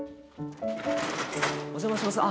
お邪魔します。